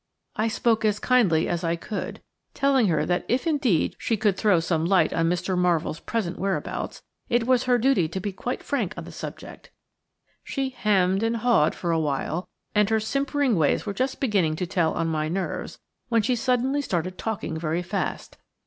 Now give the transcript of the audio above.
I spoke as kindly as I could, telling her that if indeed she could throw some light on Mr. Marvell's present whereabouts it was her duty to be quite frank on the subject. She "hem" ed and "ha" ed for awhile, and her simpering ways were just beginning to tell on my nerves, when she suddenly started talking very fast.